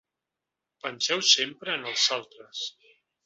Penseu sempre en els altres.